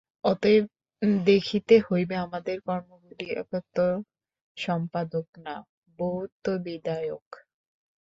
অতএব দেখিতে হইবে, আমাদের কর্মগুলি একত্বসম্পাদক না বহুত্ববিধায়ক।